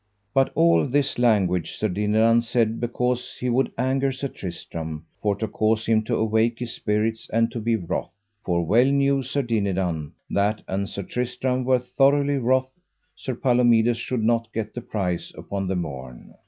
But all this language Sir Dinadan said because he would anger Sir Tristram, for to cause him to awake his spirits and to be wroth; for well knew Sir Dinadan that an Sir Tristram were thoroughly wroth Sir Palomides should not get the prize upon the morn.